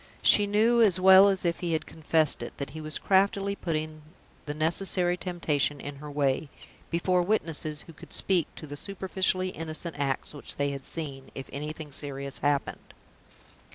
She knew, as well as if he had confessed it, that he was craftily putting the necessary temptation in her way, before witnesses who could speak to the superficially innocent acts which they had seen, if anything serious happened.